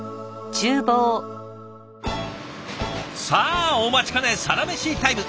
さあお待ちかねサラメシタイム。